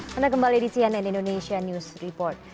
pernah kembali di cnn indonesia news report